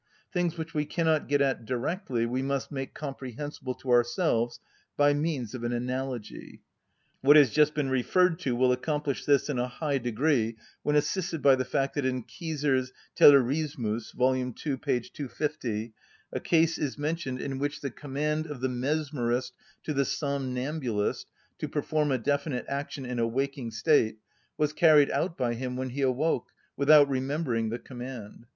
Things which we cannot get at directly we must make comprehensible to ourselves by means of an analogy. What has just been referred to will accomplish this in a high degree when assisted by the fact that in Kieser's "Tellurismus" (vol. ii. p. 250) a case is mentioned "in which the command of the mesmerist to the somnambulist to perform a definite action in a waking state was carried out by him when he awoke, without remembering the command."